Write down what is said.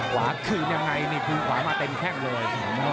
ขวาคืนยังไงนี่คืนขวามาเต็มแข้งเลย